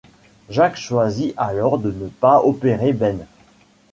Jack choisit alors de ne pas opérer Ben.